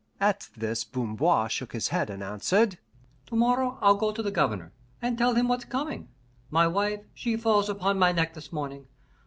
'" At this Bamboir shook his head, and answered, "To morrow I'll to the Governor, and tell him what's coming. My wife, she falls upon my neck this morning.